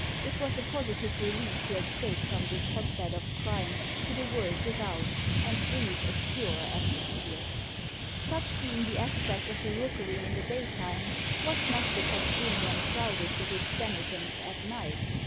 It was a positive relief to escape from this hotbed of crime to the world without, and breathe a purer atmosphere. Such being the aspect of the Rookery in the daytime, what must it have been when crowded with its denizens at night!